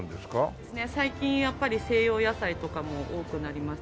そうですね最近やっぱり西洋野菜とかも多くなりました。